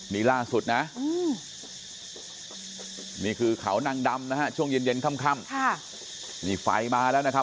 นี่ล่าสุดนะนี่คือเขานางดำนะฮะช่วงเย็นค่ำนี่ไฟมาแล้วนะครับ